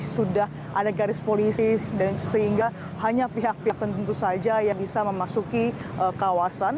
sudah ada garis polisi dan sehingga hanya pihak pihak tentu saja yang bisa memasuki kawasan